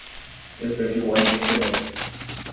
Eu perdi o ônibus de novo